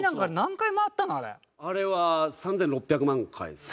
あれは３６００万回ですね。